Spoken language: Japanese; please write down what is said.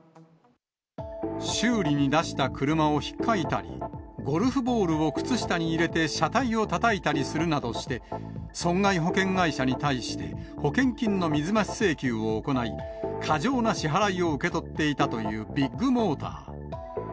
修理に出した車をひっかいたり、ゴルフボールを靴下に入れて車体をたたいたりするなどして、損害保険会社に対して保険金の水増し請求を行い、過剰な支払いを受け取っていたというビッグモーター。